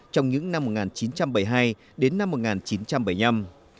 trong những năm một nghìn chín trăm bảy mươi hai đến năm một nghìn chín trăm bảy mươi năm